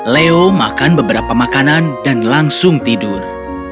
leo makan beberapa makanan dan langsung tidur